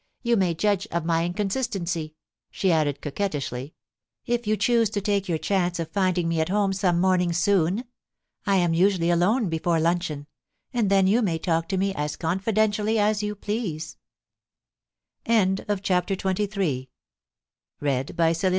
* You may judge of my inconsistency,* she added coquettishly, * if you choose to take your chance of finding me at home some morning soon. I am usually alone before luncheon, and then you may talk to me as confidentially as you please.* FASCINATION. 231 CHAPTER XXIV.